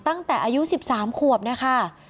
ตั้งแต่อายุ๑๓ควบนะคะ